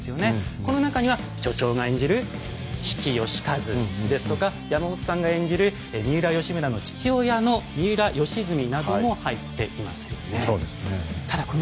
この中には所長が演じる比企能員ですとか山本さんが演じる三浦義村の父親の三浦義澄なども入っていますよね。